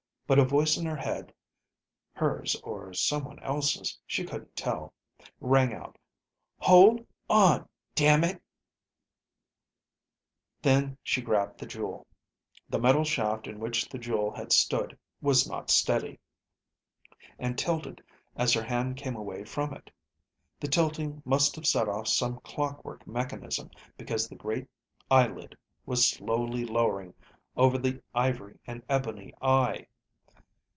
But a voice in her head (hers or someone else's, she couldn't tell) rang out. Hold ... on ... damn ... it ... Then she grabbed the jewel. The metal shaft in which the jewel had stood was not steady, and tilted as her hand came away from it. The tilting must have set off some clockwork mechanism, because the great eyelid was slowly lowering over the ivory and ebony eye.